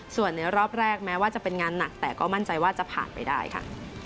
ส่วนในรอบแรกแม้ว่าจะเป็นงานหนักแต่ก็มั่นใจว่าจะผ่านไปได้ค่ะ